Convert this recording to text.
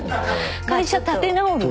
会社立て直る？